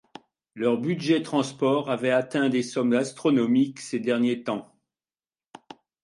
Leur budget transport avait atteint des sommes astronomiques, ces derniers temps.